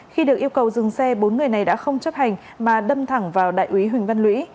khi được yêu cầu dừng xe bốn người này đã không chấp hành mà đâm thẳng vào đại úy huỳnh văn lũy